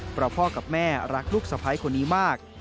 เพราะพ่อกับแม่รักลูกสะพ้ายคนนี้มาก